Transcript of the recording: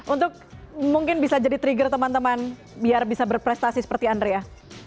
untuk mungkin bisa jadi trigger teman teman biar bisa berprestasi seperti andrea